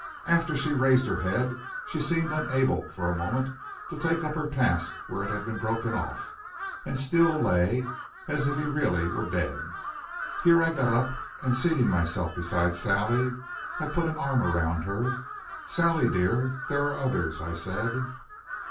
After she raised her head she seemed unable, for a moment, to take up her task where it had been broken off, and Steele lay as if he really were dead. Here I got up, and seating myself beside Sally, I put an arm around her. "Sally dear, there are others," I said.